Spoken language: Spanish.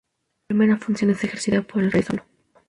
La primera función es ejercida por el rey solo.